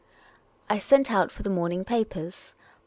I sent out for the morning papers.